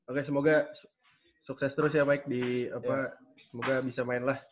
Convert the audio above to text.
oke semoga sukses terus ya mike di apa semoga bisa main lah